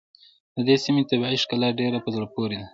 د دې سيمې طبیعي ښکلا ډېره په زړه پورې ده.